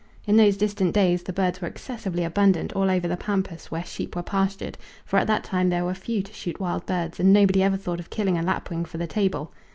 In those distant days the birds were excessively abundant all over the pampas where sheep were pastured, for at that time there were few to shoot wild birds and nobody ever thought of killing a lapwing for the table.